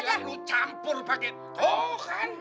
lu campur pake tohan